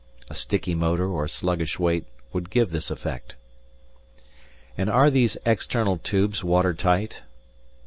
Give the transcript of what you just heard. A sticky motor or sluggish weight would give this effect. And are these external tubes water tight?